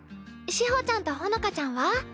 志穂ちゃんとほのかちゃんは？